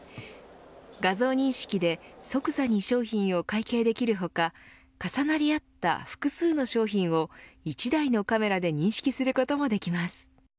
画像認識で即座に商品を会計できる他重なり合った複数の商品を１台のカメラで認識することもできます。